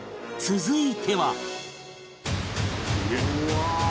続いては